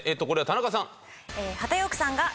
これは田中さん。